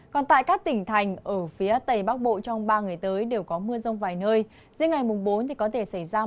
còn tại các tỉnh thành ở phía tầy bắc bộ trong ba ngày tới đều có mưa rông vài nơi